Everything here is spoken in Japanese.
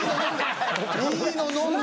いいの飲んで。